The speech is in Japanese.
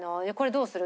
どうする？」